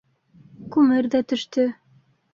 Күмер ҙә төштө.